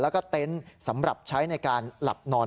พระขู่คนที่เข้าไปคุยกับพระรูปนี้